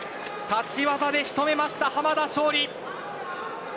立ち技で仕留めました濱田尚里。